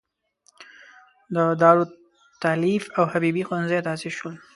د دارالتالیف او حبیبې ښوونځی تاسیس شول.